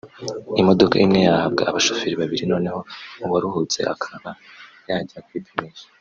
imodoka imwe yahabwa abashoferi babiri noneho uwaruhutse akaba yajya kwipimisha”